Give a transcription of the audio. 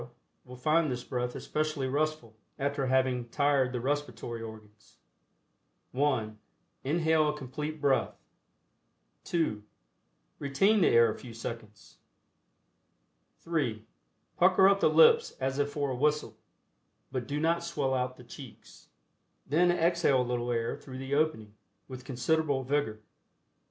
will find this breath especially restful, after having tired the respiratory organs. (1) Inhale a complete breath. (2) Retain the air a few seconds. (3) Pucker up the lips as if for a whistle (but do not swell out the cheeks), then exhale a little air through the opening, with considerable vigor.